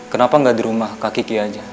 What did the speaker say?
kenapa gak di rumah kak kiki aja